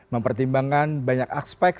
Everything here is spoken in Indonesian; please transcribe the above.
mempertimbangkan banyak aspek